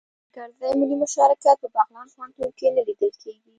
د کرزي ملي مشارکت په بغلان پوهنتون کې نه لیدل کیږي